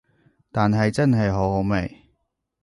但係真係好好味